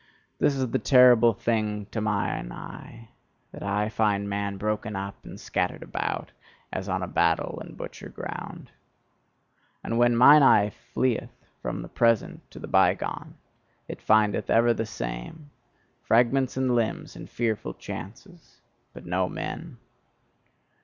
This is the terrible thing to mine eye, that I find man broken up, and scattered about, as on a battle and butcher ground. And when mine eye fleeth from the present to the bygone, it findeth ever the same: fragments and limbs and fearful chances but no men!